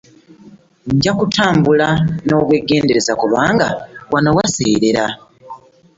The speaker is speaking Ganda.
Njakutambula n'obwegendereza kubanga wano waseerela.